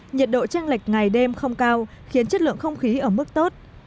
nhiệt độ tranh lệch ngày đêm không cao khiến chất lượng không khí ở mức tốt